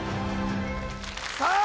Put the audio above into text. さあ